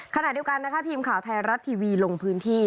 ขณะเดียวกันนะคะทีมข่าวไทยรัฐทีวีลงพื้นที่